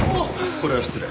これは失礼。